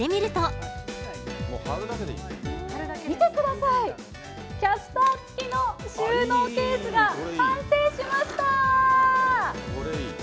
見てください、キャスター付きの収納ケースが完成しました。